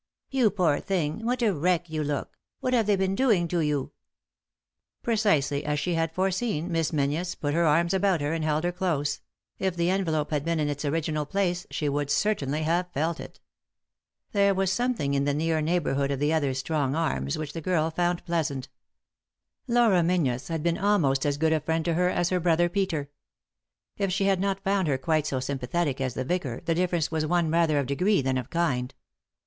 " You poor thing 1— What a wreck you look I— What have they been doing to you ?" 131 3i 9 iii^d by Google THE INTERRUPTED KISS Precisely as she had foreseen, Miss Mcnzies put ber arms about her, and held her close ; if the en velope had been in its original place she would cer tainly have felt it. There was something in the near neighbourhood of the other's strong arms which the girl found pleasant. Laura Meiizies had been almost as good a friend to her as her brother Peter. If she had not found her quite so sympathetic as the vicar, the difference was one rather of degree than of kind.